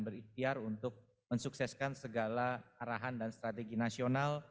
berikhtiar untuk mensukseskan segala arahan dan strategi nasional